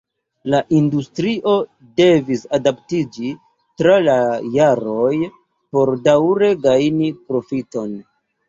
La industrio devis adaptiĝi tra la jaroj por daŭre gajni profiton.